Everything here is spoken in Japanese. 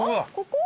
ここ？